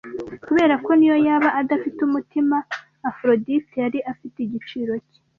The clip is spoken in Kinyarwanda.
kuberako niyo yaba adafite umutima aphrodite yari afite igiciro cye